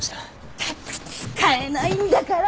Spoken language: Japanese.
ったく使えないんだから！